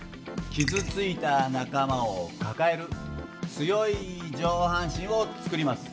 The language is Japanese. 傷ついた仲間を抱える強い上半身を作ります。